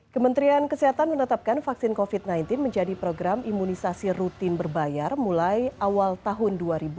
kementerian kesehatan menetapkan vaksin covid sembilan belas menjadi program imunisasi rutin berbayar mulai awal tahun dua ribu dua puluh